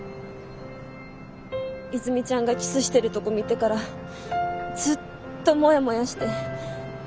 和泉ちゃんがキスしてるとこ見てからずっともやもやして。